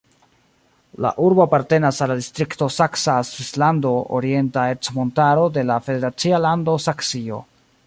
La urbo apartenas al la distrikto Saksa Svislando-Orienta Ercmontaro de la federacia lando Saksio.